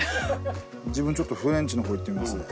自分ちょっとフレンチの方いってみますね。